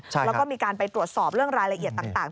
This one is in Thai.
แล้วก็มีการไปตรวจสอบเรื่องรายละเอียดต่าง